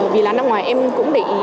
vì là năm ngoài em cũng để ý